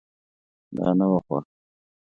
دا نه وه خوښه.